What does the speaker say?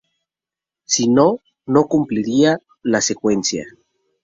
Si no, no se cumpliría la secuencia.